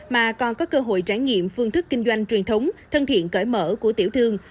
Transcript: mà còn có cơ hội trải nghiệm phương thức kinh doanh truyền thống thân thiện cởi mở của tiểu thương